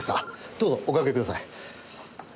どうぞおかけください。